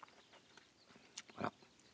あら？